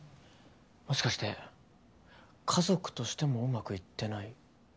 もしかして家族としてもうまくいってない。